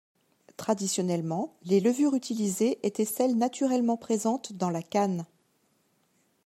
Traditionnellement les levures utilisées étaient celles naturellement présentes dans la canne.